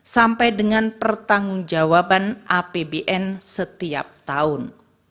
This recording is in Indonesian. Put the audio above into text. sampai dengan pertanggungjawaban apbn setiap tahun